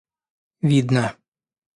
видно